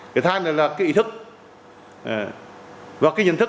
thứ hai là cái ý thức và cái nhận thức một phần là do nhận thức